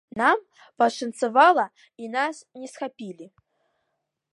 Нам пашанцавала, і нас не схапілі.